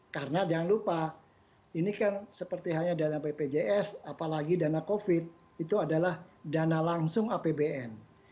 karena jangan lupa ini kan seperti hanya dana bpjs apalagi dana covid itu adalah dana langsung apbn